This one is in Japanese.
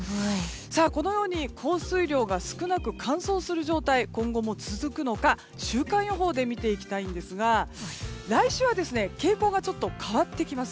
このように降水量が少なく乾燥する状態が今後も続くか週間予報で見ていきたいんですが来週は傾向がちょっと変わってきます。